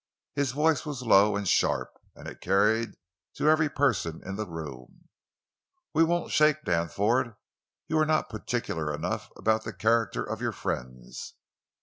His voice was low and sharp, and it carried to every person in the room: "We won't shake, Danforth; you are not particular enough about the character of your friends!"